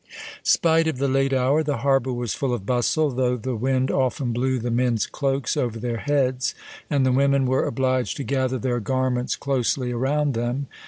Spite of the late hour, the harbour was full of bustle, though the wind often blew the men's cloaks over their heads, and the women were obliged to gather their garments closely around them.